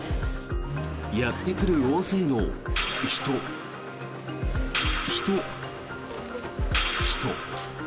やってくる大勢の人、人、人。